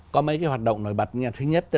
có mấy cái hoạt động nổi bật